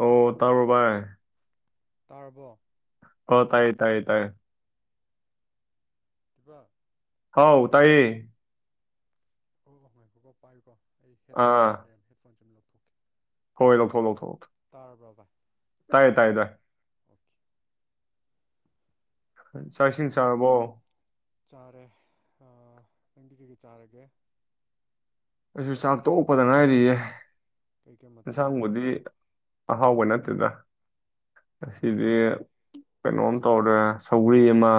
ꯑꯣ ꯇꯥꯔꯕꯕꯥ ꯇꯥꯔꯔꯕꯣ ꯍ ꯇꯥꯏ ꯇꯥꯏ ꯇꯥꯏ ꯑꯗꯨꯒꯄꯥ ꯍꯥꯎ ꯇꯥꯏꯌꯦ ꯑꯣ ꯑꯣ ꯃꯀꯣꯀꯣ ꯄꯥꯏꯌꯀꯣ ꯑꯩ ꯍꯦꯠ ꯐꯣꯟ ꯍꯥꯞꯂꯔꯝ ꯍꯦꯠ ꯐꯣꯟ ꯍ ꯏꯅꯣ ꯊꯣꯛꯂꯣ ꯊꯣꯛꯂ ꯇꯥꯔꯕ꯭ꯔꯥ ꯚꯥꯏ ꯇꯥꯏꯌꯦ ꯇꯥꯏꯗ ꯑꯣꯀꯦ ꯆꯥꯛ ꯏꯁꯤꯡ ꯆꯥꯔꯕꯣ ꯆꯥꯔꯦ ꯅꯪꯗꯤ ꯀꯩꯀꯩ ꯆꯥꯔꯒꯦ ꯑꯩꯁꯨ ꯆꯥꯛ ꯇꯣꯛꯄꯗ ꯉ ꯍꯥꯏꯔꯤꯌꯦꯦ ꯀꯩꯀꯩ ꯃꯊꯦꯜ ꯌꯦꯟꯁꯥꯡꯕꯨꯗꯤ ꯇꯧꯔꯕ ꯑꯍꯥꯎꯕ ꯅꯠꯇꯦꯗ ꯎꯝ ꯑꯁꯤꯗꯤ ꯀꯩꯅꯣꯝ ꯇꯧꯔꯦ ꯁꯧꯒ꯭ꯔꯤ ꯑꯃ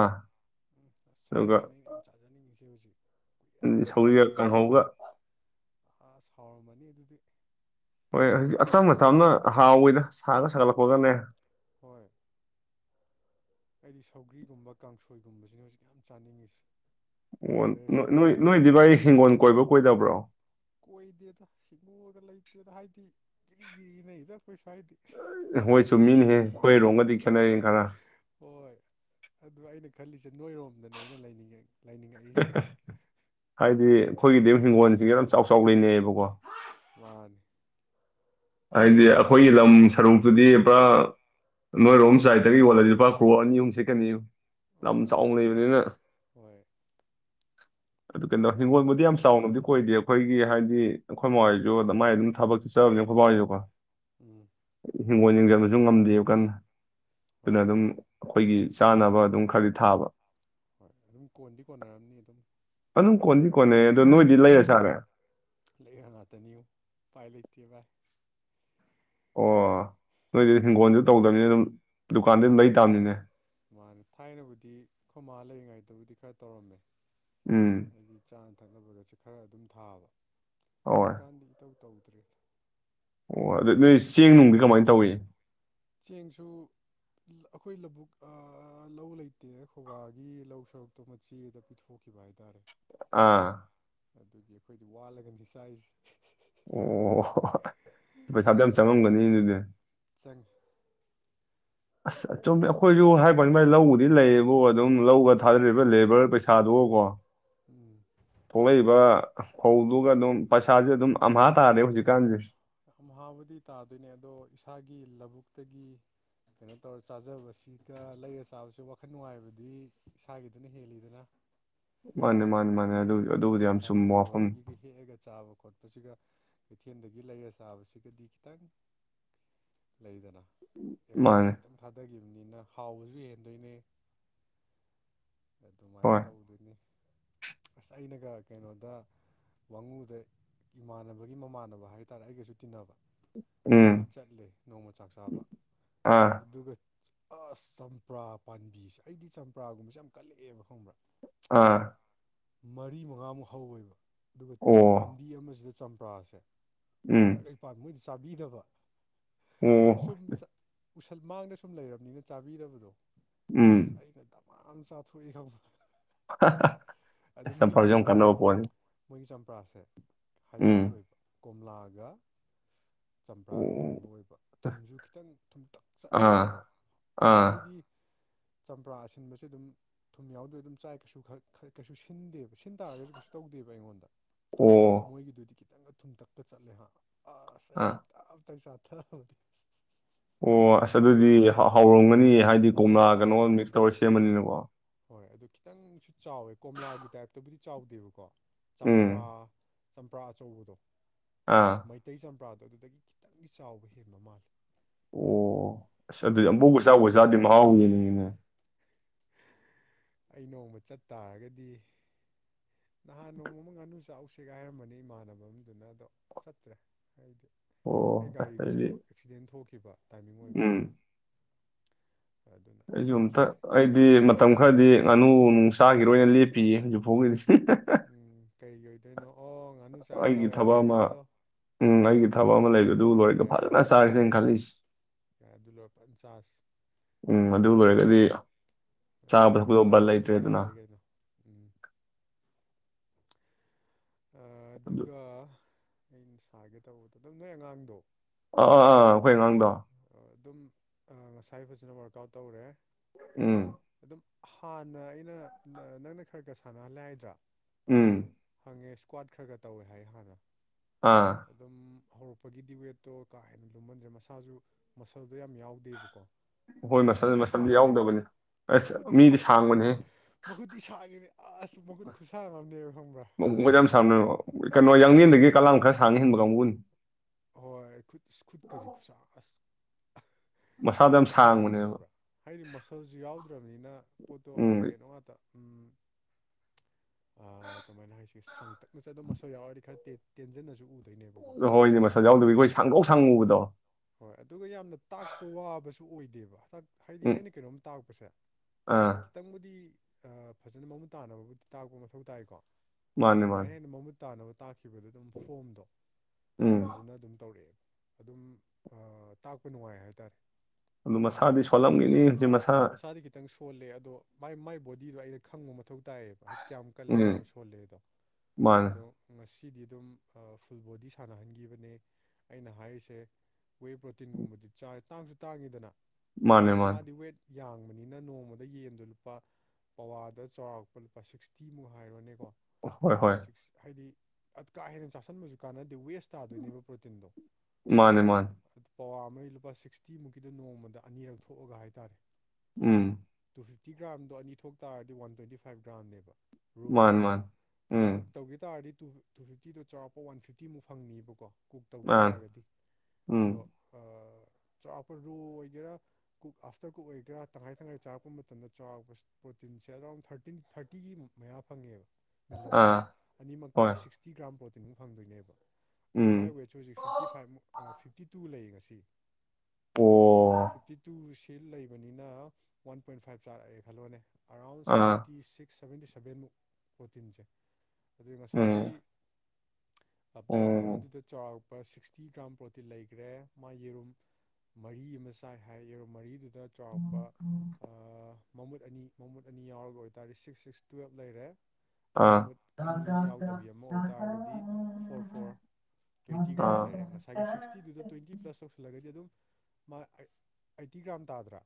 ꯎꯝ ꯑ ꯑꯗꯨꯒ ꯁꯧꯒ꯭ꯔꯤꯁꯤꯅ ꯑꯩꯅ ꯌꯥꯝ ꯆꯥꯖꯅꯤꯡꯉꯤꯁꯦ ꯍꯧꯖꯤꯛ ꯀꯍ ꯁꯧꯒ꯭ꯔꯤꯒ ꯆꯥꯗꯕ ꯁꯧꯤꯁꯦ ꯀꯥꯡꯍꯧꯒ ꯑꯁ ꯍꯥꯎꯔꯝꯃꯅꯤ ꯑꯗꯨꯗꯤ ꯍꯣꯏ ꯍꯧꯖꯤꯛ ꯑꯆꯝ ꯑ ꯆꯝꯅ ꯑꯁ ꯍꯥꯎꯋꯤꯗ ꯁꯥꯒ ꯁꯥꯒꯠꯂꯛꯄꯒꯅꯦ ꯍꯣꯏ ꯑꯩꯗꯤ ꯁꯧꯒ꯭ꯔꯤꯒꯨꯝꯕ ꯀꯥꯡꯁꯣꯏꯒꯨꯝꯕꯁꯤꯅ ꯍꯧꯖꯤꯛ ꯌꯥꯝ ꯆꯥꯅꯤꯡꯉꯤꯁꯦ ꯑꯣ ꯅꯣꯏ ꯋꯦꯗꯔꯁꯤꯒꯀꯣ ꯅꯣꯏꯗꯤ ꯚꯥꯏ ꯍꯤꯡꯒꯣꯜ ꯀꯣꯏꯕ ꯀꯣꯏꯗꯕ꯭ꯔꯣ ꯀꯣꯏꯗꯦꯗ ꯁꯤꯡꯉꯨꯔꯒ ꯂꯩꯇꯦ ꯍꯥꯏꯗꯦ ꯒꯤꯔꯤꯒꯤꯔꯤ ꯏꯅꯩꯗ ꯍꯣꯏ ꯆꯨꯝꯃꯤꯅꯤꯍꯦ ꯈꯣꯏꯔꯣꯝꯒꯗꯤ ꯈꯦꯠꯅꯔꯦ ꯈꯔ ꯍꯣꯏ ꯑꯗꯨ ꯑꯩꯅ ꯈꯜꯂꯤꯁꯦ ꯅꯣꯏꯔꯣꯝꯗꯅꯦ ꯑꯩꯅ ꯂꯩꯅꯤꯡꯉꯦ ꯍꯥꯏꯗꯤ ꯑꯩꯈꯣꯏꯒꯤꯗꯤ ꯍꯤꯡꯒꯣꯜꯁꯤꯡꯖꯦ ꯌꯥꯝ ꯆꯥꯎ ꯆꯥꯎ ꯂꯩꯅꯩꯌꯦꯕꯥꯀꯣ ꯋꯥꯅꯤ ꯍꯥꯏꯗꯤ ꯑꯩꯈꯣꯏꯒꯤ ꯂꯝ ꯁꯔꯨꯛꯇꯨꯗꯤ ꯄꯨꯔꯥꯞ ꯅꯣꯏꯔꯣꯝ ꯁꯥꯏꯠꯇꯒ ꯌꯣꯜꯂꯗꯤ ꯂꯨꯄꯥ ꯀ꯭ꯔꯣꯔ ꯑꯅꯤ ꯑꯍꯨꯝ ꯁꯤꯠꯀꯅꯤ ꯑꯣ ꯂꯝ ꯆꯥꯎꯅ ꯂꯩꯕꯅꯤꯅ ꯍꯣꯏ ꯑꯗꯨ ꯀꯩꯅꯣ ꯍꯤꯡꯒꯣꯜꯕꯨꯗꯤ ꯌꯥꯝ ꯃꯥꯅꯤ ꯆꯥꯎꯅꯕꯨꯗꯤ ꯀꯣꯏꯗꯦ ꯑꯩꯈꯣꯏꯒꯤ ꯍꯥꯏꯗꯤ ꯑꯩꯈꯣꯏ ꯃꯥꯍꯣꯏꯁꯨ ꯃꯥꯏ ꯑꯗꯨꯝ ꯊꯕꯛ ꯆꯠꯆꯕꯅꯤ ꯍꯣꯏꯕ ꯎꯝ ꯍꯤꯡꯒꯣꯜ ꯌꯦꯡꯁꯤꯟꯕꯁꯨ ꯉꯝꯗꯦꯕ ꯀꯟꯅ ꯑꯗꯨꯅ ꯍꯣꯏ ꯑꯗꯨꯝ ꯑꯩꯈꯣꯏꯒꯤ ꯆꯥꯅꯕ ꯑꯗꯨꯝ ꯈꯔꯗꯤ ꯊꯥꯕ ꯍꯣꯏ ꯑꯗꯨꯝ ꯀꯣꯟꯗꯤ ꯀꯣꯟꯅꯔꯝꯅꯤ ꯑꯗꯨꯝ ꯀꯣꯅꯩ ꯑꯗꯣ ꯅꯣꯏꯗꯤ ꯂꯩꯔ ꯆꯥꯔꯦ ꯂꯩꯔ ꯉꯇꯅꯤꯉꯣ ꯎꯄꯥꯏ ꯂꯩꯇꯦ ꯚꯥꯏ ꯑꯣ ꯅꯣꯏꯗꯤ ꯍꯤꯡꯒꯣꯜꯁꯨ ꯇꯧꯗꯕꯅꯤꯅ ꯑꯗꯨꯝ ꯗꯨꯀꯥꯟꯗꯩꯩ ꯑꯗꯨꯝ ꯂꯩꯩ ꯇꯥꯕꯅꯤꯅꯦ ꯃꯥꯅꯤ ꯊꯥꯏꯅꯕꯨꯗꯤ ꯈꯣꯏꯃꯥ ꯂꯩꯔꯤꯉꯩꯗꯕꯨꯗꯤ ꯈꯔ ꯇꯧꯔꯝꯃꯦ ꯎꯝ ꯍꯥꯏꯗꯤ ꯆꯥꯅꯕ ꯊꯛꯅꯕꯒꯁꯦ ꯈꯔ ꯑꯗꯨꯝ ꯊꯥꯕ ꯍꯣꯏ ꯍꯧꯖꯤꯛꯀꯥꯟꯗꯤ ꯏꯇꯧ ꯇꯧꯗꯦ ꯑꯣ ꯑꯗꯨꯗꯤ ꯅꯣꯏ ꯆꯦꯡ ꯅꯨꯡꯗꯤ ꯀꯃꯥꯏꯅ ꯇꯧꯏ ꯆꯦꯡꯁꯨ ꯑꯩꯈꯣꯏ ꯂꯧꯕꯨꯛ ꯂꯧ ꯂꯩꯇꯦ ꯈꯣꯏꯕꯥꯒꯤ ꯂꯧ ꯁꯔꯨꯛꯇꯣ ꯃꯆꯦꯗ ꯄꯤꯊꯣꯛꯈꯤꯕ ꯀꯤꯕꯥ ꯍꯥꯏꯇꯥꯔꯦ ꯑ ꯑꯗꯨꯒꯤ ꯑꯩꯈꯣꯏꯗꯤ ꯋꯥꯜꯂꯒꯅꯤ ꯆꯥꯏꯁꯦ ꯑꯣ ꯄꯩꯁꯥꯗꯤ ꯌꯥꯝ ꯆꯪꯉꯝꯒꯅꯤꯅꯦ ꯑꯗꯨꯗꯤ ꯆꯪꯏ ꯑꯁ ꯆꯨꯝꯃꯤ ꯑꯩꯈꯣꯏꯁꯨ ꯍꯥꯏꯕꯩꯋꯥꯅꯤ ꯃꯥꯏ ꯂꯧꯕꯨꯗꯤ ꯂꯩꯌꯦꯕꯨ ꯑꯗꯨꯝ ꯂꯧꯒ ꯊꯥꯗꯔꯤꯕ ꯂꯦꯕꯔ ꯄꯩꯁꯥꯗꯨ ꯕꯣ ꯀꯣ ꯎꯝ ꯊꯣꯛꯂꯛꯏꯕ ꯐꯧꯗꯨꯒ ꯑꯗꯨꯝ ꯄꯩꯁꯥꯁꯦ ꯑꯗꯨꯝ ꯑꯝꯍꯥ ꯇꯥꯔꯦ ꯍꯧꯖꯤꯛꯀꯥꯟꯁꯦ ꯑꯝꯍꯥꯕꯨꯗꯤ ꯇꯥꯗꯣꯏꯅꯦ ꯑꯗꯣ ꯏꯁꯥꯒꯤ ꯂꯧꯕꯨꯛꯇꯒꯤ ꯀꯩꯅꯣ ꯇꯧꯔ ꯆꯥꯖꯕꯁꯤꯒ ꯂꯩꯔ ꯆꯥꯕꯁꯨ ꯋꯥꯈꯜ ꯅꯨꯡꯉꯥꯏꯕꯗꯤ ꯏꯁꯥꯒꯤꯗꯨꯅ ꯍꯦꯜꯂꯤꯗꯅ ꯃꯥꯅꯦ ꯃꯥꯅꯦ ꯃꯥꯅꯦ ꯑꯗꯨꯕꯨꯗꯤ ꯌꯥꯝ ꯏꯁꯥꯒꯤ ꯆꯨꯝꯕ ꯋꯥꯐꯝ ꯍꯤꯡꯒꯣꯜꯗꯒꯤꯒ ꯍꯦꯛꯑꯒ ꯆꯥꯕ ꯈꯣꯠꯄ ꯆꯥꯕꯁꯤꯒ ꯀꯩꯊꯦꯜꯗꯒꯤ ꯂꯩꯔ ꯆꯥꯕꯁꯤꯒꯗꯤ ꯈꯤꯇꯪ ꯂꯩꯗꯅ ꯑꯦꯐꯣꯔꯠꯇꯨ ꯃꯥꯅꯦ ꯈꯤꯇꯪ ꯊꯥꯗꯒꯤꯕꯅꯤꯅ ꯍꯥꯎꯕꯁꯨ ꯍꯦꯟꯗꯣꯏꯅꯦ ꯑꯗꯨꯃꯥꯏꯅ ꯍꯣꯏ ꯇꯧꯗꯣꯏꯅꯤ ꯑꯁ ꯑꯩꯅꯒ ꯀꯩꯅꯣꯗ ꯋꯥꯡꯉꯨꯗ ꯏꯃꯥꯟꯅꯕꯒꯤ ꯃꯃꯥꯟꯅꯕ ꯍꯥꯏꯇꯥꯔꯦ ꯑꯩꯒꯁꯨ ꯇꯤꯟꯅꯕ ꯃꯣꯏꯗ ꯎꯝ ꯆꯠꯂꯦ ꯅꯣꯡꯃ ꯆꯥꯛ ꯆꯥꯕ ꯑꯥ ꯑꯗꯨꯒ ꯑꯁ ꯆꯝꯄ꯭ꯔꯥ ꯄꯥꯝꯕꯤꯁꯦ ꯑꯩꯗꯤ ꯆꯝꯄ꯭ꯔꯥꯒꯨꯝꯕꯁꯦ ꯌꯥꯝ ꯀꯜꯂꯛꯑꯦꯕ ꯈꯪꯕ꯭ꯔꯥ ꯑ ꯃꯔꯤ ꯃꯉꯥꯃꯨꯛ ꯍꯧꯏꯕ ꯑꯗꯨꯒ ꯑꯣ ꯄꯥꯝꯕꯤ ꯑꯃꯁꯤꯗ ꯆꯝꯄ꯭ꯔꯥꯁꯦ ꯍꯦꯛꯇ ꯎꯝ ꯄꯥꯟꯕ ꯃꯣꯏꯗꯤ ꯆꯥꯕꯤꯗꯕ ꯍꯥꯏꯗꯤ ꯑꯣ ꯁꯨꯝ ꯎꯁꯜ ꯃꯥꯡꯗ ꯁꯨꯝ ꯂꯩꯔꯕꯅꯤꯅ ꯆꯥꯕꯤꯗꯕꯗꯣ ꯑꯁ ꯎꯝ ꯑꯩꯅ ꯃꯌꯥꯝ ꯆꯥꯊꯣꯛꯏ ꯈꯕꯔ꯭ [inaudible] ꯑꯗꯨ ꯑꯁ ꯃꯣꯏꯒꯤ ꯆꯝꯐꯔꯁꯨ ꯌꯥꯝ ꯀꯩꯅꯣ ꯀꯥꯟꯅꯕ ꯄꯣꯠꯅꯤ ꯃꯣꯏꯒꯤ ꯆꯝꯄ꯭ꯔꯥꯁꯦ ꯍꯥꯏꯕ꯭ꯔꯤꯠ ꯎꯝ ꯑꯣꯏꯕ ꯀꯣꯝꯂꯥꯒ ꯆꯝꯄ꯭ꯔꯥꯒ ꯑꯣ ꯄꯨꯟꯕ ꯑꯣꯏꯕ ꯊꯨꯝꯁꯨ ꯈꯤꯇꯪ ꯊꯨꯝꯇꯛ ꯑꯥ ꯆꯠꯂꯦꯕꯀꯣ ꯑꯥ ꯑꯩꯗꯤ ꯆꯝꯄ꯭ꯔꯥ ꯑꯁꯤꯟꯕꯁ ꯑꯗꯨꯝ ꯊꯨꯝ ꯌꯥꯎꯗꯣꯏ ꯑꯗꯨꯝ ꯆꯥꯏ ꯀꯩꯁꯨ ꯈꯔ ꯈꯔ ꯀꯩꯁꯨ ꯁꯤꯟꯗꯦꯕ ꯁꯤꯟ ꯇꯥꯔꯒꯁꯨ ꯀꯩꯁꯨ ꯇꯧꯗꯦꯕ ꯑꯩꯉꯣꯟꯗ ꯑꯣ ꯃꯣꯏꯒꯤꯗꯨꯗꯤ ꯇ ꯈꯤꯇꯪꯒ ꯊꯨꯝꯇꯛꯀ ꯆꯠꯂꯦ ꯍꯥ ꯑꯁ ꯑꯩ ꯑꯥ ꯇ ꯑꯇ ꯆꯥꯊꯔꯕꯅꯦ ꯑꯣ ꯑꯁ ꯑꯗꯨꯗꯤ ꯍꯧꯔꯝꯒꯅꯤ ꯍꯥꯏꯗꯤ ꯀꯣꯝꯂꯥ ꯀꯩꯅꯣ ꯍꯥꯎꯋꯦ ꯃꯤꯛꯁ ꯇꯧꯔ ꯁꯦꯝꯃꯅꯤꯅꯀꯣ ꯍꯣꯏ ꯑꯗꯨꯣ ꯈꯤꯇꯪꯁꯨ ꯆꯥꯎꯋꯦ ꯀꯣꯝꯂꯥꯒꯤ ꯇꯥꯏꯞꯇꯕꯨꯗꯤ ꯆꯥꯎꯗꯦꯕꯀꯣ ꯆꯝꯄ꯭ꯔꯥ ꯎꯝ ꯆꯝꯄ꯭ꯔꯥ ꯑꯆꯧꯕꯗꯣ ꯑꯥ ꯃꯩꯇꯩ ꯆꯝꯄ꯭ꯔꯥꯗꯣ ꯑꯗꯨꯗꯒꯤ ꯈꯤꯇꯪꯗꯤ ꯆꯥꯎꯕ ꯍꯦꯟꯕ ꯃꯥꯜꯂꯤ ꯑꯣ ꯑꯁ ꯑꯗꯨꯗꯤ ꯑꯕꯨ ꯑ ꯄꯥꯔ ꯆꯕꯖꯥꯗꯤ ꯃꯍꯥꯎ ꯌꯦꯅꯦꯅꯦ ꯑꯩ ꯅꯣꯡꯃ ꯆꯠ ꯇꯥꯔꯒꯗꯤ ꯅꯍꯥꯟ ꯅꯣꯡꯃ ꯉꯥꯅꯨ ꯆꯥꯛꯁꯦꯒ ꯍꯥꯏꯔꯝꯕꯅꯤ ꯏꯃꯥꯟꯅꯕ ꯑꯃꯗꯨꯅ ꯑꯗꯣ ꯆꯠꯇ꯭ꯔꯦ ꯑꯩꯗꯤ ꯑꯩ ꯑꯣ ꯑꯁ ꯒꯥꯔꯤꯗꯨꯁꯨ ꯑꯩꯗꯤ ꯑꯦꯛꯁꯤꯗꯦꯟ ꯊꯣꯛꯈꯤꯕ ꯇꯥꯏꯃꯤꯡ ꯑꯣꯏꯕ ꯎꯝ ꯑꯗꯨꯅ ꯑꯩꯁꯨ ꯑꯝꯇ ꯆꯠꯈꯤꯗ꯭ꯔꯦ ꯑꯩꯗꯤ ꯃꯇꯝ ꯈꯔꯗꯤ ꯉꯥꯅꯨ ꯅꯨꯡ ꯆꯥꯈꯤꯔꯣꯏ ꯑꯣꯏꯅ ꯂꯦꯞꯄꯤꯌꯦ ꯍꯧꯖꯤꯛꯐꯥꯎꯒꯤ ꯎꯝ ꯀꯩꯒꯤ ꯑꯣꯏꯗꯣꯏꯅꯣ ꯑꯣ ꯉꯥꯅꯨ ꯆꯥꯔꯤ ꯑꯩꯒꯤ ꯗꯥꯎ ꯊꯕꯛ ꯌꯥꯗꯦꯒ ꯑꯃ ꯍꯥꯏꯕꯗꯣ ꯎꯝ ꯑꯩꯒꯤ ꯊꯕꯛ ꯑꯃ ꯂꯩꯕꯗꯨ ꯌꯥꯏ ꯂꯣꯏꯔꯒ ꯌꯥꯏ ꯌꯥꯏ ꯐꯖꯅ ꯆꯥꯔꯤꯅꯦꯅ ꯚꯥꯏ ꯌꯥꯏ ꯈꯜꯂꯤꯁꯤꯦ ꯌꯥꯏ ꯑꯗꯨ ꯂꯣꯏꯔ ꯐꯖꯅ ꯆꯥꯁꯤ ꯎꯝ ꯑꯗꯨ ꯑꯣꯏꯔꯒꯗꯤ ꯑꯗꯨꯗ ꯈꯜꯂꯛꯑꯒꯗꯤ ꯌꯥꯔꯦ ꯀꯩꯅꯣ ꯎꯝ ꯑꯗꯨ ꯑꯗꯨꯒ ꯑꯩꯅ ꯁꯥꯒꯦ ꯇꯧꯕꯗꯣ ꯑꯗꯨꯝ ꯅꯣꯏ ꯑꯉꯥꯡꯗꯣ ꯑꯥ ꯑꯥ ꯑꯥ ꯑꯩꯈꯣꯏ ꯑꯉꯥꯡꯗꯣ ꯑꯗꯨꯝ ꯉꯁꯥꯏ ꯐꯖꯅ ꯋꯥꯔꯛ ꯑꯥꯎꯠ ꯇꯧꯔꯦ ꯎꯝ ꯑꯗꯨꯝ ꯍꯥꯟꯅ ꯑꯩꯅ ꯅꯪꯅ ꯈꯔ ꯈꯔ ꯁꯥꯟꯅꯍꯜꯂꯦ ꯍꯥꯏꯗ꯭ꯔꯥ ꯎꯝ ꯈꯪꯉꯦ ꯏꯁꯀ꯭ꯋꯥꯗ ꯈꯔ ꯈꯔ ꯇꯧꯋꯦ ꯍꯥꯏ ꯍꯥꯟꯅ ꯑꯥ ꯑꯗꯨꯝ ꯍꯧꯔꯛꯄꯒꯤꯗꯤ ꯋꯦꯠꯇꯣ ꯀꯥ ꯍꯦꯟꯅ ꯂꯨꯝꯃꯟꯗ꯭ꯔꯦ ꯃꯁꯥꯁꯨ ꯃꯁꯜꯗꯣ ꯌꯥꯝ ꯌꯥꯎꯗꯦꯕꯀꯣ ꯍꯣꯏ ꯃꯁꯜ ꯃꯈꯨꯠꯇꯤ ꯃꯁꯜꯗꯤ ꯁꯥꯡꯉꯤꯅꯦ ꯌꯥꯎꯗꯕꯅꯤ ꯑꯁ ꯃꯈꯨꯠꯇꯤ ꯃꯤꯗꯤ ꯁꯥꯡ ꯁꯥꯡꯕꯅꯦꯍ ꯃꯈꯨꯠꯇꯤ ꯁꯥꯈꯤꯅꯦ ꯑꯁ ꯃꯈꯨꯠ ꯈꯨꯠꯁꯥ ꯉꯝꯅꯦꯕ ꯈꯪꯕ꯭ꯔꯥ ꯃꯈꯣꯡꯒꯗꯤ ꯌꯥꯝ ꯁꯥꯡꯕꯅꯦ ꯀꯩꯅꯣ ꯌꯥꯡꯉꯦꯟꯗꯒꯤ ꯀꯂꯥ ꯈꯔ ꯁꯥꯡꯅ ꯍꯦꯟꯕ ꯀꯥꯡꯕꯨꯅꯤ ꯍꯣꯏꯨ ꯈꯨꯗꯀꯁꯤ ꯈꯨꯨꯁꯁ ꯃꯁꯥꯗꯣ ꯌꯥꯝ ꯇꯤ ꯁꯥꯡꯉꯤ ꯁꯥꯡꯕꯅꯦꯕ ꯈꯪꯕ꯭ꯔꯥ ꯍꯥꯏꯗꯤ ꯃꯁꯜꯁꯨ ꯌꯥꯎꯗ꯭ꯔꯕꯅꯤꯅ ꯄꯣꯠꯇꯣ ꯎꯝ ꯀꯩꯅꯣ ꯉꯥꯛꯇ ꯎꯝ ꯁꯤ ꯁꯥꯡꯇꯛꯅ ꯆꯠ ꯑꯗꯨꯕ ꯃꯁꯧ ꯌꯥꯎꯔꯗꯤ ꯈꯔ ꯇꯦꯟꯖꯟꯅꯁꯨ ꯎꯗꯦ ꯍꯣꯏꯅꯦ ꯃꯁꯥ ꯌꯥꯎꯗꯕꯤ ꯑꯩꯈꯣꯏ ꯁꯪꯗꯧ ꯁꯥꯡꯉꯨꯕꯗꯣ ꯍꯣꯏ ꯑꯗꯨꯒ ꯌꯥꯝꯅ ꯇꯥꯛꯄ ꯋꯥꯕꯁꯨ ꯑꯣꯏꯗꯦꯕ ꯍꯥꯏꯗꯤ ꯎꯝ ꯑꯩꯅ ꯀꯩꯅꯣꯝ ꯇꯥꯔꯛꯄꯁꯦ ꯑꯥ ꯈꯤꯇꯪꯕꯨꯗꯤ ꯐꯖꯅ ꯃꯃꯨꯠ ꯇꯥꯅꯕꯕꯨꯗꯤ ꯇꯥꯛꯄ ꯃꯊꯧ ꯇꯥꯏꯀꯣ ꯃꯥꯅꯦ ꯃꯥꯅꯦ ꯑꯗꯨꯃꯥꯏꯅ ꯍꯦꯟꯅ ꯃꯃꯨꯠ ꯇꯥꯅꯕ ꯈꯤꯕꯗ ꯑꯗꯨꯝ ꯐꯣꯝꯗꯣ ꯎꯝ ꯐꯖꯅ ꯑꯗꯨꯝ ꯇꯧꯔꯛꯑꯦꯕ ꯑꯗꯨꯝ ꯇꯥꯛꯄ ꯅꯨꯡꯉꯥꯏ ꯍꯥꯏꯇꯥꯔꯦ ꯑꯗꯨ ꯃꯁꯥꯗꯤ ꯁꯣꯂꯝꯒꯤꯅꯤ ꯃꯁꯥꯗꯤ ꯈꯤꯇꯪ ꯁꯣꯜꯂꯦ ꯑꯗꯣ ꯃꯥꯏ ꯃꯥꯏ ꯕꯣꯗꯤꯗꯣ ꯑꯩꯅ ꯈꯪꯕ ꯃꯊꯧ ꯇꯥꯏꯌꯦꯕ ꯍꯥꯏꯗꯤ ꯀꯌꯥꯝ ꯀꯜꯂꯦ ꯎꯝ ꯀꯌꯥꯝ ꯁꯣꯜꯂꯦꯗꯣ ꯃꯥꯅꯦ ꯑꯗꯣ ꯉꯁꯤ ꯁꯤꯗꯤ ꯑꯗꯨꯝ ꯐꯨꯜ ꯕꯣꯗꯤ ꯁꯥꯟꯅꯍꯟꯈꯤꯕꯅꯦ ꯑꯩꯅ ꯍꯥꯏꯔꯤꯁꯦ ꯋꯦꯠ ꯄ꯭ꯔꯣꯇꯤꯟꯒꯨꯝꯕꯗꯤ ꯆꯥꯔ ꯇꯥꯡꯁꯨ ꯇꯥꯡꯉꯤꯗꯅ ꯃꯥꯅꯦ ꯑꯗꯨꯅ ꯃꯥꯅꯦ ꯃꯥꯗꯤ ꯋꯦꯠ ꯌꯥꯡꯕꯅꯤꯅ ꯅꯣꯡꯃꯗ ꯌꯦꯟꯗꯣ ꯂꯨꯄꯥ ꯄꯋꯥꯗ ꯆꯥꯎꯔꯥꯛꯄ ꯂꯨꯄꯥ ꯁꯤꯛꯁꯇꯤꯃꯨꯛ ꯍꯥꯏꯔꯣꯅꯦ ꯀ ꯍꯣꯏ ꯍꯣꯏ ꯁꯤꯁ ꯍꯥꯏꯗꯤ ꯀꯥ ꯍꯦꯟꯅ ꯆꯥꯁꯟꯕꯁꯨ ꯀꯥꯟꯅꯗ ꯑꯗꯨ ꯋꯦꯁ ꯇꯥꯗꯣꯏꯅꯦꯕ ꯄ꯭ꯔꯣꯇꯤꯟꯗꯣ ꯃꯥꯅꯦ ꯃꯥꯅꯦ ꯄꯋꯥ ꯑꯃꯒꯤ ꯂꯨꯄꯥ ꯁꯤꯛꯁꯇꯤ ꯃꯨꯛꯀꯤꯗ ꯅꯣꯡꯃꯗ ꯑꯅꯤꯔꯛ ꯊꯣꯛꯑꯒ ꯍꯥꯏꯇꯥꯔꯦ ꯎꯝ ꯇꯨ ꯐꯤꯐꯇꯤ ꯭ꯔꯥꯝꯗ ꯑ ꯊꯣꯛ ꯇꯥꯔꯗꯤ ꯋꯥꯟ ꯇ꯭ꯋꯇꯤꯥꯏꯚ ꯒ꯭ꯔꯥꯝꯅꯦꯕ ꯃꯥꯅꯦ ꯔꯣꯗ ꯃꯥꯅꯦ ꯑꯗꯨ ꯎꯝ ꯀꯨꯛ ꯇꯧꯒꯦ ꯇꯥꯔꯗꯤ ꯇꯨ ꯇꯨ ꯐꯤꯐꯇꯤꯗꯣ ꯆꯥꯎꯔꯥꯛꯄ ꯋꯥꯟ ꯐꯤꯐꯇꯤꯃꯨꯛ ꯐꯪꯅꯤꯕꯀꯣ ꯀꯨꯛ ꯇꯧꯈꯤ ꯃꯥꯅꯦ ꯇꯥꯔꯒꯗꯤ ꯎꯝ ꯑꯗꯣ ꯆꯥꯄ ꯔꯣ ꯑꯣꯏꯒꯔꯥ ꯑꯐꯇ ꯀ ꯑꯣꯏ ꯇꯤꯔꯥ ꯇꯪꯉꯥꯏ ꯇꯪꯉꯥꯏ ꯆꯥꯔꯛꯄ ꯃꯇꯝꯗ ꯆꯥꯎꯔꯥꯛꯄ ꯄ꯭ꯔꯣꯇꯤꯟꯁꯦ ꯑꯔꯥꯎꯟ ꯊꯥꯔꯇꯤꯟ ꯊꯥꯔꯇꯤꯒꯤ ꯃꯌꯥ ꯐꯪꯉꯦꯕ ꯃꯤꯜꯂꯝꯗ ꯑꯥ ꯍꯣꯏ ꯑꯅꯤꯃꯛꯇꯗꯤ ꯁꯤꯛꯁꯇꯤ ꯒ꯭ꯔꯥꯝ ꯄ꯭ꯔꯣꯇꯤꯟ ꯐꯪꯗꯣꯏꯅꯦꯕ ꯑꯗꯣ ꯎꯝ ꯃꯥꯏ ꯋꯦꯠꯁꯨ ꯍꯧꯖꯤꯛ ꯐꯤꯞꯇꯤ ꯐꯥꯏꯚꯨꯛ ꯐꯤꯞꯇꯤ ꯇꯨ ꯂꯩꯌꯦ ꯉꯁꯤ ꯑꯣ ꯐꯤꯐꯇꯤ ꯇꯨꯁꯤ ꯂꯩꯕꯅꯤꯅ ꯋꯥꯟ ꯄꯣꯏꯟ ꯐꯥꯏꯚ ꯆꯥꯔꯛꯑꯦ ꯈꯜꯂꯣꯅꯦ ꯑꯔꯥꯎꯟ ꯑꯥ ꯁꯕꯦꯟꯇꯤ ꯁꯤꯛꯁ ꯁꯕꯦꯟꯇꯤ ꯁꯕꯦꯟꯃꯨꯛ ꯄ꯭ꯔꯣꯇꯤꯟꯁꯦ ꯑꯗꯨ ꯉꯁꯥꯏꯒꯤ ꯎꯝ ꯄꯋꯥ ꯎꯝ ꯑꯃꯗꯨꯗ ꯆꯥꯎꯔ ꯁꯤꯛꯁꯇꯤ ꯒ꯭ꯔꯥꯝ ꯄ꯭ꯔꯣꯇꯤꯟ ꯂꯩꯈ꯭ꯔꯦ ꯃꯥ ꯌꯦꯔꯨꯝ ꯃꯔꯤ ꯑꯃ ꯆꯥꯏ ꯍꯥꯏ ꯌꯦꯔꯨꯝ ꯃꯔꯤꯗꯨꯗ ꯆꯥꯎꯔꯥꯛꯄ ꯃꯃꯨꯠ ꯑꯅꯤ ꯃꯃꯨꯠ ꯑꯅꯤ ꯌꯥꯎꯔꯒ ꯑꯣꯏꯇꯥꯔꯗꯤ ꯁꯤꯛꯁ ꯁꯤꯛꯁ ꯇꯨꯌꯦꯦꯜꯞ ꯂꯩꯔꯦ ꯑꯗꯨ ꯑꯥ ꯃꯃꯨꯠ ꯑꯅꯤ ꯌꯥꯎꯗꯕꯤ ꯑꯃ ꯑꯣꯏꯇꯥꯔꯒꯗꯤ ꯐꯣꯔ ꯐꯣꯔ ꯇ꯭ꯋꯦꯟꯇꯤ ꯑꯥ ꯒ꯭ꯔꯥꯝꯔ ꯉꯁꯥꯏꯒꯤ ꯁꯤꯛꯁꯇꯤꯗꯨꯗ ꯇ꯭ꯋꯦꯟꯇꯤ ꯄ꯭ꯂꯁ ꯇꯧꯁꯤꯜꯂꯒꯗꯤ ꯑꯗꯨꯝ ꯃꯥ ꯑꯩꯠꯇꯤ ꯒ꯭ꯔꯥꯝ ꯇꯥꯗ꯭ꯔꯥ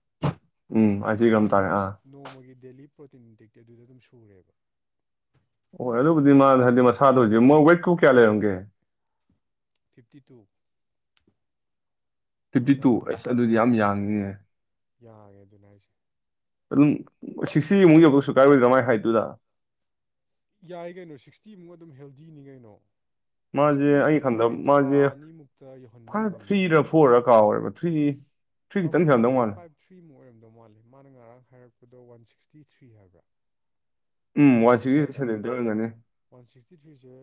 ꯎꯝ ꯑꯁꯤꯒ ꯅꯣꯡ ꯇꯥꯔꯦ ꯑꯥ ꯅꯣꯡꯃꯒꯤ ꯗꯦꯂꯤ ꯄ꯭ꯔꯣꯇꯤꯟ ꯗꯤꯛꯇꯤ ꯑꯗꯨꯗ ꯑꯗꯨꯝ ꯁꯨꯔꯦꯕ ꯑꯣ ꯑꯗꯨꯕꯨꯗꯤ ꯃꯥ ꯍꯥꯏꯗꯤ ꯃꯁꯥꯗ ꯑꯣꯏꯁꯦ ꯃꯣꯏ ꯋꯦꯠꯀꯨ ꯀꯌꯥ ꯂꯩꯔꯝꯒꯦ ꯐꯤꯞꯇꯤ ꯇꯨ ꯐꯤꯐꯇꯤ ꯇꯨ ꯍꯟꯊꯔꯝꯃꯦ ꯑꯩꯁ ꯑꯗꯨꯗꯤ ꯌꯥꯝ ꯍꯣꯏ ꯌꯥꯡꯅꯤꯤꯅꯦ ꯌꯥꯔꯦ ꯑꯗꯨꯅ ꯍꯥꯏꯁꯦ ꯑꯗꯨꯝ ꯁꯤꯛꯁꯇꯤꯃꯨꯛ ꯌꯧꯗ ꯁꯨ ꯀꯥꯏꯔꯣꯏꯗ꯭ꯔ ꯃꯥꯏ ꯍꯥꯏꯗꯨꯨꯗ ꯌꯥꯏ ꯀꯩꯅꯣ ꯁꯤꯛꯁꯇꯤꯃꯨꯛ ꯑꯗꯨꯝ ꯍꯦꯜꯗꯤꯅꯤ ꯀꯩꯅꯣ ꯃꯥꯁꯦ ꯑꯩꯩꯅ ꯁꯤꯛꯁꯇꯤꯃꯨꯛꯇꯤ ꯈꯟꯗꯕ ꯑꯩ ꯊꯥ ꯃꯥꯁꯦ ꯑꯅꯤꯃꯨꯛꯇ ꯌꯧꯍꯟꯕ ꯐꯥꯏꯚ ꯉꯝꯅꯤ ꯊ꯭ꯔꯤꯔ ꯐꯣꯔꯒ ꯀꯥꯎꯦꯕ ꯊ꯭ꯔꯤ ꯊ꯭ꯔꯤ ꯈꯤꯇꯪ ꯈꯔꯝꯗꯧ ꯃꯥꯜꯂꯦ ꯑꯗꯧ ꯃꯥꯂ ꯃꯥꯅ ꯉꯔꯥꯡ ꯍꯥꯏꯔꯛꯄꯗꯣ ꯋꯥꯟ ꯁꯤꯛꯁꯇꯤ ꯊ꯭ꯔꯤ ꯍꯥꯏꯕ꯭ꯔꯥ ꯎꯝ ꯋꯥꯟ ꯁꯤꯛꯁꯇꯤ ꯁꯦꯟꯇꯤꯃꯤꯇꯔꯗ ꯁꯦꯟꯇꯤꯃꯤꯇꯔ ꯑꯣꯏꯔꯝꯒꯅꯤ ꯋꯥꯟ ꯁꯤꯛꯁꯇꯤ ꯊ꯭ꯔꯤꯁꯦ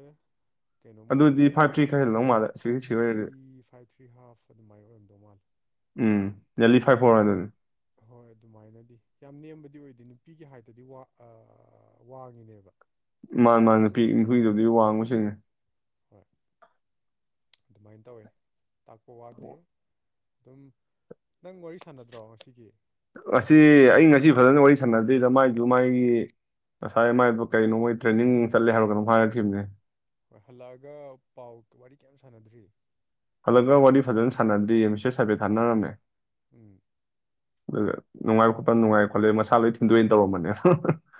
ꯀꯩꯅꯣꯝ ꯑꯗꯨꯗꯤ ꯑꯣꯏꯔꯝꯅꯤꯅ ꯐꯥꯏꯚ ꯊ꯭ꯔꯤ ꯑꯩꯅ ꯈꯔ ꯍꯦꯜꯂꯝꯗꯧ ꯃꯥꯜꯂꯦ ꯐꯥꯏꯚ ꯁꯤꯛꯁꯇꯤ ꯊ꯭ꯔꯤ ꯑꯣꯏꯔꯗꯤ ꯐꯥꯏꯚ ꯊ꯭ꯔꯤ ꯍꯥꯐ ꯑꯗꯨꯃꯥꯏꯅ ꯑꯣꯏꯔꯝꯗꯧ ꯃꯥꯂꯦ ꯎꯝ ꯅꯤꯌꯔꯂꯤ ꯐꯥꯏꯚ ꯐꯣꯔ ꯑꯗꯨꯅꯤ ꯍꯣꯏ ꯑꯗꯨꯃꯥꯏꯅꯗꯤ ꯌꯥꯝ ꯅꯦꯝꯕꯗꯤ ꯑꯣꯏꯗꯣꯏꯅꯤ ꯅꯨꯄꯤꯒꯦ ꯍꯥꯏꯗꯗꯤ ꯋꯥꯡꯉꯤꯅꯦꯕ ꯃꯥꯥꯟ ꯃꯥ ꯅꯨꯄꯤ ꯅꯨꯐꯏꯗꯕꯗꯤ ꯋꯥꯡꯕꯁꯤꯡꯅꯦ ꯍꯣꯏ ꯑꯗꯨꯃꯥꯏꯅ ꯇꯧꯋꯦ ꯇꯥꯛꯄ ꯋꯥꯗꯦ ꯑꯗꯨꯝ ꯅꯪ ꯋꯥꯔꯤ ꯁꯥꯟꯅꯗ꯭ꯔꯣ ꯉꯒꯤ ꯉ ꯑꯩ ꯉꯁꯤ ꯐꯖꯅ ꯋꯥꯔꯤ ꯁꯥꯟꯅꯗꯣꯏꯗ ꯃꯥꯏꯗꯨ ꯃꯥꯥꯏꯒꯤ ꯉꯁꯥꯏ ꯃꯥꯏꯗꯣ ꯀꯩꯅꯣ ꯃꯣꯏ ꯇ꯭ꯔꯦꯅꯤꯡ ꯆꯠꯂꯦ ꯍꯥꯏꯔꯒꯅꯣ ꯍꯥꯏꯔꯛꯈꯤꯕꯅꯦ ꯍꯣꯏ ꯍꯜꯂꯛꯑꯒ ꯄꯥꯎ ꯋꯥꯔꯤ ꯀꯌꯥꯝ ꯁꯥꯟꯅꯗ꯭ꯔꯤ ꯈꯜꯂꯒ ꯋꯥꯔꯤ ꯐꯖꯅ ꯁꯥꯟꯅꯗꯦ ꯃꯤꯁꯔ ꯁꯥꯐꯦꯠ ꯊꯥꯅꯔꯝꯃꯦ ꯎꯝ ꯑꯗꯨꯒ ꯅꯨꯡꯉꯥꯏ ꯈꯣꯠꯄ ꯅꯨꯡꯉꯥꯏ ꯈꯣꯠꯂꯦ ꯃꯁꯥ ꯂꯣꯏ ꯊꯤꯟꯗꯣꯏꯅ ꯇꯧꯔꯝꯕꯅꯦ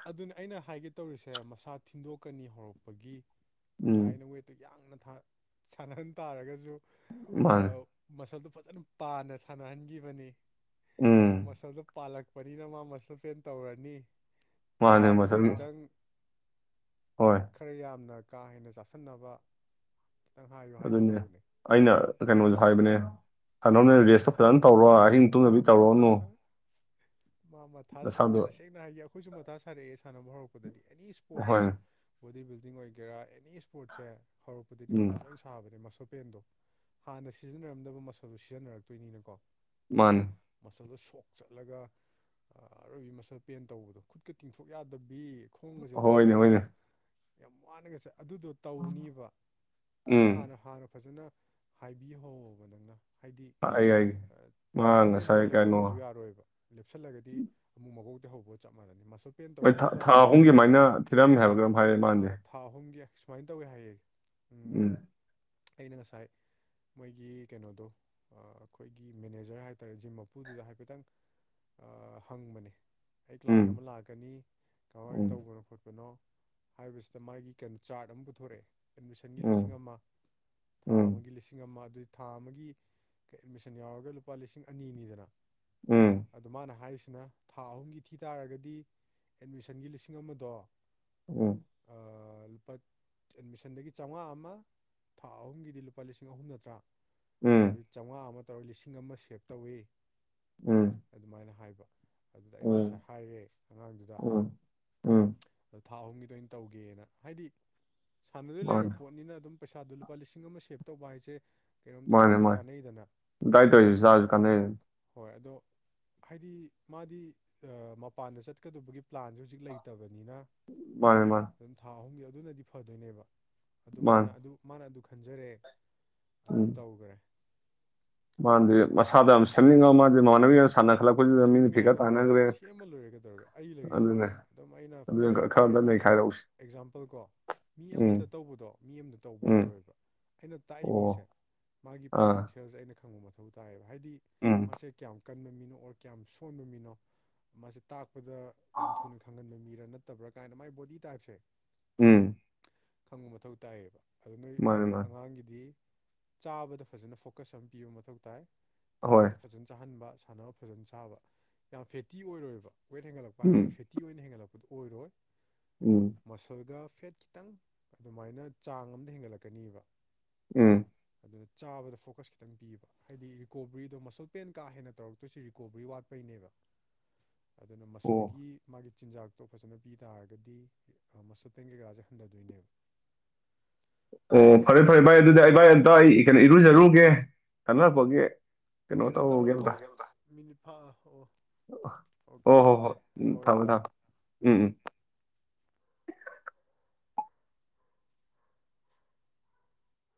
ꯑꯗꯨꯅ ꯑꯩꯅ ꯍꯥꯏꯒꯦ ꯇꯧꯔꯤꯁꯦ ꯃꯁꯥ ꯊꯤꯟꯗꯣꯛꯀꯅꯤ ꯍꯧꯔꯛꯄꯒꯤ ꯉꯁꯥꯏ ꯎꯝ ꯑꯩꯅ ꯋꯦꯠꯇꯨ ꯌꯥꯡꯅ ꯁꯥꯟꯅꯍꯟ ꯇꯥꯔꯒꯁꯨ ꯃꯥꯅꯦ ꯃꯁꯜꯗꯨ ꯐꯖꯅ ꯄꯥꯅ ꯁꯥꯟꯅꯍꯟꯈꯤꯕꯅꯤ ꯎꯝ ꯃꯁꯜꯗꯣ ꯄꯥꯜꯂꯛꯄꯅꯤꯅ ꯃꯥ ꯃꯁꯜ ꯐꯦꯟ ꯇꯧꯔꯅꯤ ꯃꯥꯅꯦ ꯆꯥꯕꯗꯣ ꯃꯁꯜ ꯈꯤꯇꯪ ꯍꯣꯏ ꯈꯔ ꯌꯥꯝꯅ ꯀꯥ ꯍꯦꯟꯅ ꯆꯥꯁꯤꯟꯅꯕ ꯑꯗꯨꯅꯦ ꯑꯩꯅ ꯀꯩꯅꯣꯁ ꯍꯥꯏꯕꯅꯦ ꯁꯅꯕꯅꯕꯅꯦ ꯔꯦꯁꯇ ꯐꯖꯅ ꯇꯧꯔꯣ ꯑꯍꯤꯡ ꯇꯨꯝꯅꯕꯤ ꯇꯧꯔꯛꯅꯨ ꯑ ꯃꯥ ꯃꯊꯥ ꯇꯁꯦꯡꯅ ꯍꯥꯏꯗꯤ ꯑꯩꯈꯣꯏꯁꯨ ꯃꯊꯥ ꯁꯥꯔꯛꯑꯦ ꯁꯥꯟꯅꯕ ꯍꯧꯔꯛꯄꯗꯗꯤ ꯑꯦꯅꯤ ꯍꯣꯏ ꯏꯁꯄꯣꯔꯠꯁ ꯕꯣꯗꯤ ꯕꯤꯜꯗꯤꯡ ꯑꯣꯏꯒꯦꯔꯥ ꯑꯦꯅꯤ ꯏꯁꯄꯣꯔꯠꯁꯦ ꯍꯧꯔꯛꯄꯗꯗꯤ ꯎꯝ ꯃꯊꯥ ꯂꯣꯏ ꯁꯥꯕꯅꯦ ꯃꯁꯛ ꯄꯦꯟꯗꯣ ꯍꯥꯟꯅ ꯁꯤꯖꯤꯟꯅꯔꯝꯗꯕ ꯃꯁꯜꯗꯣ ꯁꯤꯖꯤꯟꯅꯔꯛꯇꯣꯏꯅꯤꯅꯀꯣ ꯃꯥꯅ ꯃꯁꯜꯗꯣ ꯁꯣꯛ ꯆꯠꯂꯒ ꯑꯔꯣꯏꯕꯤ ꯃꯁꯜ ꯄꯦꯟ ꯇꯧꯕꯗꯣ ꯈꯨꯠꯀ ꯇꯤꯡꯊꯣꯛ ꯌꯥꯗꯕꯤ ꯈꯣꯡ ꯑꯁꯦ ꯍꯣꯏꯅꯦ ꯍꯣꯏꯅꯦ ꯆꯠꯄꯗ ꯌꯥꯝ ꯋꯥꯅꯒ ꯆ ꯑꯗꯨꯗꯣ ꯇꯧꯅꯦꯕ ꯑꯗꯨ ꯎꯝ ꯍꯥꯟꯅ ꯍꯥꯟꯅ ꯐꯖꯅ ꯍꯥꯏꯕꯤꯍꯧꯕ ꯅꯪꯅ ꯍꯥꯏꯗꯤ ꯑꯩ ꯑꯩꯦ ꯃꯥ ꯃꯁꯜ ꯄꯦꯟ ꯉꯁꯥꯏ ꯇꯧꯔ ꯀꯩꯅꯣ ꯂꯦꯞꯁꯟꯕꯁꯨ ꯌꯥꯔꯣꯏꯕ ꯂꯦꯞꯁꯤꯜꯂꯒꯗꯤ ꯑꯃꯨꯛ ꯃꯀꯧ ꯇ ꯍꯧꯕꯒ ꯆꯞ ꯃꯥꯟꯅꯁꯦ ꯍꯣꯏ ꯊꯥ ꯑꯍꯨꯝꯒꯤꯃꯥꯏꯅ ꯊꯤꯔꯝꯃꯦ ꯍꯥꯏꯕꯒ ꯑꯗꯨꯝ ꯍꯥꯏꯔꯛꯏ ꯑ ꯃꯥꯟꯁꯦ ꯊꯥ ꯑꯍꯨꯝꯒꯤ ꯁꯨꯃꯥꯏꯅ ꯇꯧꯋꯦ ꯍꯥꯏꯌꯦꯦ ꯎꯝ ꯑꯩꯅ ꯉꯁꯥꯏ ꯃꯣꯏꯒꯤ ꯀꯩꯅꯣꯗꯣ ꯑꯩꯈꯣꯏꯒꯤ ꯃꯦꯅꯦꯖꯔ ꯍꯥꯏꯇꯥꯔꯦ ꯖꯤꯝ ꯎꯄꯨꯗꯨꯗ ꯍꯥꯏꯐꯦꯠꯇꯪ ꯍꯪꯕꯅꯦ ꯑꯩ ꯎꯝ ꯀ꯭ꯂꯥꯏꯟ ꯑꯃ ꯂꯥꯛꯀꯅꯤ ꯀꯃꯥꯏꯅ ꯎꯝ ꯇꯧꯕꯅꯣ ꯈꯣꯠꯄꯅꯣ ꯍꯥꯏꯕꯁꯤꯗ ꯃꯥꯒꯤ ꯀꯩꯅꯣ ꯆꯥꯔꯠ ꯑꯃ ꯄꯨꯊꯣꯔꯛꯑꯦ ꯑꯦꯠꯃꯤꯁꯟꯒꯤ ꯂꯤꯁꯤꯡ ꯑꯃ ꯊꯥ ꯑꯃꯒꯤ ꯂꯤꯁꯤꯡ ꯑꯃ ꯑꯗꯨꯏ ꯊꯥ ꯑꯃꯒꯤ ꯑꯦꯗꯃꯤꯁꯟ ꯌꯥꯎꯔꯒ ꯂꯨꯄꯥ ꯂꯤꯁꯤꯡ ꯑꯅꯤꯅꯤꯗꯅ ꯑ ꯃꯥꯅ ꯍꯥꯏꯔꯤꯁꯤ ꯑꯁꯤꯅ ꯊꯥ ꯑꯍꯨꯝꯒꯤ ꯊꯤ ꯇꯥꯔꯒꯗꯤ ꯑꯦꯠꯃꯤꯁꯟꯒꯤ ꯂꯤꯁꯤꯡ ꯑꯃꯗꯣ ꯎꯝ ꯑꯥ ꯂꯨꯄꯥ ꯑꯦꯠꯃꯤꯁꯟꯗꯒꯤ ꯆꯥꯝꯃꯉꯥ ꯑꯃ ꯊꯥ ꯑꯍꯨꯝꯒꯤꯗꯤ ꯂꯨꯄꯥ ꯂꯤꯁꯤꯡ ꯑꯍꯨꯝ ꯅꯠꯇ꯭ꯔꯥ ꯑꯗꯨ ꯆꯥꯝꯃꯉꯥ ꯑꯃ ꯇꯧꯔ ꯂꯤꯁꯤꯡ ꯑꯃ ꯁꯦꯞ ꯇꯧꯋꯤ ꯑꯗꯨꯃꯥꯏꯅ ꯍꯥꯏꯕ ꯑꯗꯨꯗ ꯑꯩꯅ ꯉꯁꯥꯏ ꯍꯥꯏꯔꯦ ꯑꯉꯥꯡꯗꯨꯗ ꯊꯥ ꯑꯍꯨꯝꯒꯤꯗ ꯑꯣꯏꯅ ꯇꯧꯒꯦꯅ ꯍꯥꯏꯗꯤ ꯁꯥꯟꯅꯗꯣꯏ ꯂꯩꯔꯕ ꯄꯣꯠꯅꯤꯅ ꯑꯗꯨꯝ ꯄꯩꯁꯥꯗꯣ ꯂꯨꯄꯥ ꯂꯤꯁꯤꯡ ꯑꯃ ꯁꯦꯞ ꯇꯧꯕ ꯍꯥꯏꯁꯦ ꯀꯩꯅꯣꯝꯇ ꯃꯥꯅꯦ ꯇꯧꯔꯁꯨ ꯃꯥꯅꯦ ꯀꯥꯟꯅꯩꯗꯅ ꯇꯥꯏ ꯇꯧꯁꯤ ꯆꯖ ꯀꯥꯟ ꯍꯣꯏ ꯑꯗꯣ ꯍꯥꯏꯗꯤ ꯃꯥꯗꯤ ꯃꯄꯥꯟꯗ ꯆꯠꯀꯗꯕꯒꯤ ꯄ꯭ꯂꯥꯟꯁꯦ ꯍꯧꯖꯤꯛ ꯂꯩꯇꯕꯅꯤ ꯃꯥꯅꯦ, ꯃꯥꯅꯦ, ꯑꯗꯨꯝ ꯊꯥ ꯑꯍꯨꯝꯒꯤ ꯑꯗꯨꯅꯗꯤ ꯐꯗꯣꯏꯅꯦꯕ ꯃꯥꯅꯦ, ꯑꯗꯨꯅꯅ ꯈꯟꯖꯔꯑꯦ ꯑꯗꯨ ꯇꯧꯈꯔꯦ ꯃꯥꯗꯤ ꯃꯁꯥꯗ ꯑꯃ ꯁꯤꯟꯅꯤꯡꯉ ꯃꯥꯗꯤ ꯃꯥꯟꯅꯕꯤ ꯁꯥꯟꯅꯈꯠꯂꯛꯄꯗꯨꯗ ꯃꯤꯅ ꯁꯦꯝꯅꯤꯡꯉꯦ ꯍꯥꯏ ꯐꯤꯒꯔ ꯅꯠꯇ꯭ꯔꯣ ꯇꯥꯅꯈ꯭ꯔꯦ ꯁꯦꯝꯃ ꯂꯣꯏꯔꯒ ꯇꯧꯔꯒ ꯑꯩ ꯂꯩꯔꯤꯁꯤꯗꯤ ꯑꯗꯨꯅꯦ ꯑꯗꯨꯝ ꯑꯩꯅ ꯑꯗꯨ ꯐꯖꯅ ꯈꯔ ꯍꯥꯏꯗꯤ ꯅꯈꯥꯏꯔꯛꯎꯁꯤ ꯑꯦꯛꯖꯥꯝꯄꯜ ꯀꯣ ꯃꯤ ꯑꯃꯗ ꯇꯧꯕꯗꯣ ꯃꯤ ꯑꯃꯗ ꯇꯧꯕ ꯎꯝ, ꯌꯥꯔꯣꯏꯕ ꯑꯩꯅ ꯇꯥꯛꯏ ꯃꯤꯁꯦ ꯑꯣ, ꯃꯥꯒꯤ ꯑꯥ, ꯄꯣꯇꯦꯟꯁꯤꯌꯦꯜꯁꯦ ꯑꯩꯅ ꯈꯪꯕ ꯃꯇꯝ ꯃꯊꯧ ꯇꯥꯏꯌꯦꯕ ꯍꯥꯏꯗꯤ ꯎꯝ, ꯃꯥꯁꯦ ꯀꯌꯥꯝ ꯀꯟꯕ ꯃꯤꯅꯣ ꯑꯣꯔ ꯀꯌꯥꯝ ꯁꯣꯟꯕ ꯃꯤꯅꯣ ꯃꯥꯁꯦ ꯇꯥꯛꯄ ꯗ ꯌꯥꯝ ꯊꯨꯅ ꯈꯪꯍꯟꯕ ꯃꯤꯔꯥ ꯅꯠꯇꯕ꯭ꯔꯥ ꯀꯥꯏꯅ ꯃꯥꯏ ꯕꯣꯗꯤ ꯇꯥꯏꯞꯁꯦ ꯎꯝ ꯈꯪꯕ ꯃꯊꯧ ꯇꯥꯏꯌꯦꯕ ꯑꯗꯨ ꯅꯣꯏ ꯃꯥꯅꯦ, ꯃꯥꯅꯦ, ꯑꯉꯥꯡꯒꯤꯗꯤ ꯆꯥꯕꯗ ꯐꯖꯅ ꯐꯣꯀꯁ ꯑꯃ ꯄꯤꯕ ꯃꯊꯧ ꯇꯥꯏ ꯍꯣꯏ, ꯆꯥꯕꯗ ꯐꯖꯅ ꯆꯥꯍꯟꯕ ꯁꯥꯟꯅꯕ ꯐꯖꯅ ꯁꯥꯕ ꯌꯥꯝ ꯐꯦꯠꯇꯤ ꯑꯣꯏꯔꯣꯏꯕ ꯋꯦꯠ ꯍꯦꯟꯒꯠꯂꯛꯄ ꯍꯥꯏꯔꯒ ꯎꯝ, ꯐꯦꯠꯇꯤ ꯑꯣꯏꯅ ꯍꯦꯟꯒꯠꯂꯛꯄꯗꯨꯣ ꯑꯣꯏꯔꯣꯏ ꯎꯝ, ꯃꯁꯜꯒ ꯐꯦꯠ ꯈꯤꯇꯪ ꯑꯗꯨꯃꯥꯏꯅ ꯆꯥꯡ ꯑꯃꯝꯗ ꯍꯦꯟꯒꯠꯂꯛꯀꯅꯤꯕ ꯎꯝ ꯑꯗꯨꯅ ꯆꯥꯕꯗ ꯐꯣꯀꯁ ꯈꯤꯇꯪ ꯄꯤꯕ ꯍꯥꯏꯗꯤ ꯔꯤꯀꯣꯕꯔꯤꯗꯣ ꯃꯁꯜ ꯄꯦꯟ ꯀꯥ ꯍꯦꯟꯅ ꯇꯧꯔꯛꯇꯣꯏꯁꯤ ꯀꯣꯕ꯭ꯔꯤ ꯋꯥꯠꯄꯩꯅꯦꯕ ꯑꯗꯨꯅ ꯑꯣ, ꯃꯁꯜꯒꯤ ꯃꯥꯒꯤ ꯆꯤꯟꯖꯥꯛꯇꯣ ꯐꯖꯅ ꯄꯤ ꯇꯥꯔꯒꯗꯤ ꯃꯁꯜ ꯄꯦꯟ ꯀꯩꯀꯥꯁꯦ ꯍꯟꯊꯗꯣꯏꯅꯦꯕ [inaudible] ꯑꯣ ꯐꯔꯦ ꯐꯔꯦ ꯐꯔꯦ ꯑꯗꯨꯗꯤ ꯑꯩꯕꯥ ꯑꯝꯇ ꯑꯩ ꯀꯩꯅꯣ ꯏꯔꯨꯖꯔꯨꯒꯦ ꯈꯟꯅꯔꯛꯄꯒꯤ ꯀꯩꯅꯣ ꯇꯧꯔꯕꯣ ꯃꯤꯅꯤꯠꯥ ꯑꯣ ꯑꯣ ꯑꯣꯀꯦ ꯍꯣ ꯑꯣꯀꯦ ꯍꯣ ꯎꯝ ꯍꯣꯏ ꯊꯝꯃꯣ ꯏꯇꯥꯎ ꯊꯝꯃꯣ ꯎꯝ ꯎꯝ